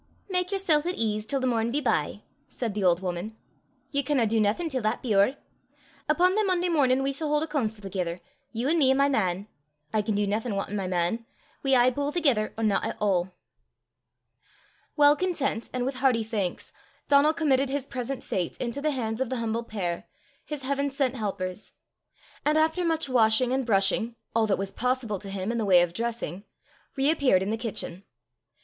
"Mak yersel' at ease till the morn be by," said the old woman. "Ye canna du naething till that be ower. Upo' the Mononday mornin' we s' haud a cooncil thegither you an' me an' my man: I can du naething wantin' my man; we aye pu' thegither or no at a'." Well content, and with hearty thanks, Donal committed his present fate into the hands of the humble pair, his heaven sent helpers; and after much washing and brushing, all that was possible to him in the way of dressing, reappeared in the kitchen.